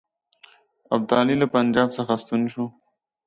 ابدالي له پنجاب څخه ستون شو.